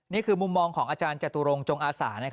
นี่คือมุมมองของอาจารย์จตุรงจงอาสา